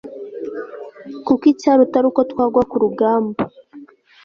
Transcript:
kuko icyaruta ari uko twagwa ku rugamba